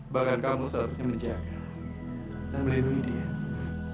bahkan kamu seharusnya menjaga dan melindungi dia